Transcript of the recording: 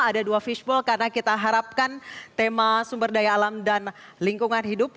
ada dua fishbowl karena kita harapkan tema sumber daya alam dan lingkungan hidup